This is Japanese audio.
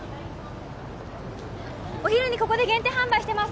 お昼にここで限定販売してます